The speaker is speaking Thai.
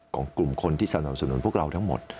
กลุ่มคนที่สนับสนุนพวกเราทั้งหมด